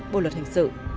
bộ luật hình sự